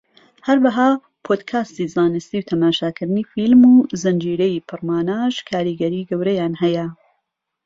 هەروەها پۆدکاستی زانستی و تەماشاکردنی فیلم و زنجیرەی پڕماناش کاریگەری گەورەیان هەیە